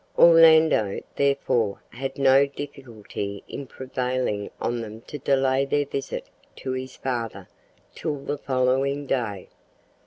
Orlando, therefore, had no difficulty in prevailing on them to delay their visit to his father till the following day.